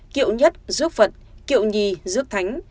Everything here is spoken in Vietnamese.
kiệu nhất dước phật kiệu nhì dước thánh